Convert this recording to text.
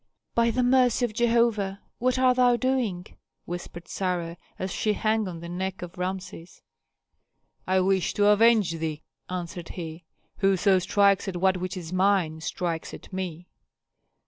"By the mercy of Jehovah, what art thou doing?" whispered Sarah, as she hung on the neck of Rameses. "I wish to avenge thee," answered he; "whoso strikes at that which is mine strikes at me."